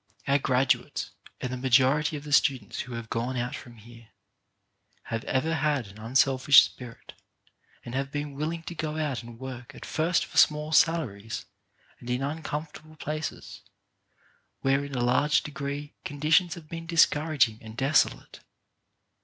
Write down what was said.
Our graduates, and the majority of the students that have gone out from here, have ever had an unselfish spirit, and have been willing to go out and work at first for small sal aries, and in uncomfortable places, where in a large degree conditions have been discouraging and desolate.